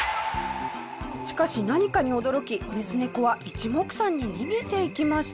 しかし何かに驚きメス猫は一目散に逃げていきました。